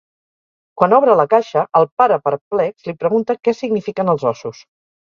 Quan obre la caixa, el pare perplex li pregunta què signifiquen els ossos.